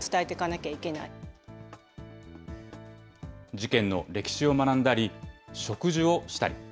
事件の歴史を学んだり、植樹をしたり。